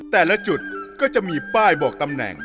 แต่ละจุดก็จะมีป้ายบอกตำแหน่ง